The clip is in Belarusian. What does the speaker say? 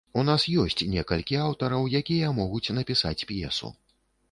У нас ёсць некалькі аўтараў, якія могуць напісаць п'есу.